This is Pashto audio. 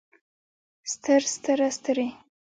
ستر ستره سترې